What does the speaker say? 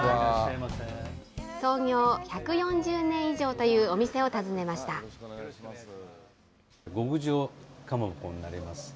創業１４０年以上というお店を訪極上。